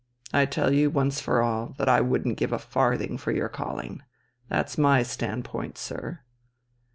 I tell you once for all, that I wouldn't give a farthing for your calling. That's my standpoint, sir."